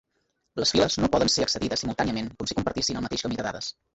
Les files no poden ser accedides simultàniament com si compartissin el mateix camí de dades.